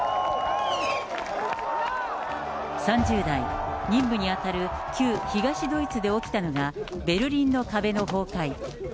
３０代、任務に当たる旧東ドイツで起きたのが、ベルリンの壁の崩壊。